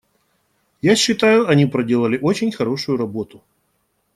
Я считаю, они проделали очень хорошую работу.